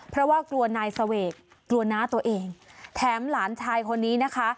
เพราะว่ากลัวนายเสวกกลัวน้าตัวเองแถมหลานชายคนนี้นะคะ